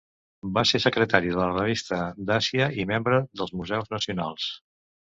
Va ser secretari de la Revista d'Àsia i membre dels Museus Nacionals.